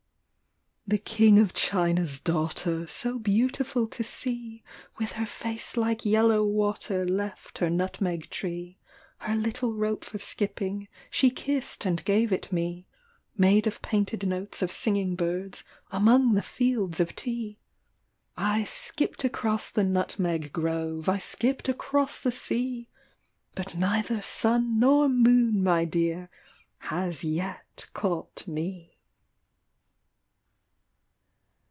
• THE King of China's daughter So beautiful to see With her face like yellow water left Her nutmeg tree : Her little rope for skipping She kissed and gave it me Made of painted notes of singing birds Among the fields of tea. I skipped across the nutmeg grove I skipped across the sea : But neither sun nor moon, my dear Has yet caught me.